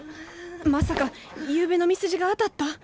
まさかゆうべのみすじがあたった？